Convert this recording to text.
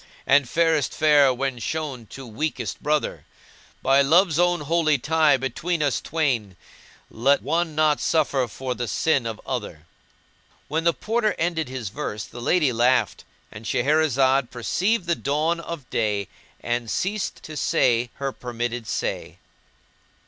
* And fairest fair when shown to weakest brother: By Love's own holy tie between us twain, * Let one not suffer for the sin of other." When the Porter ended his verse the lady laughed. And Shahrazad perceived the dawn of day and ceased to say her permitted say.